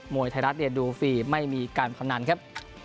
มวยไทยรัฐเรียนดูฟรีไม่มีการคำนั้นครับ